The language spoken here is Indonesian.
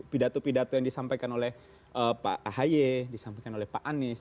pidato pidato yang disampaikan oleh pak ahy disampaikan oleh pak anies